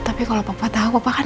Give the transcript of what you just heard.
tapi kalau apa apa tahu apa kan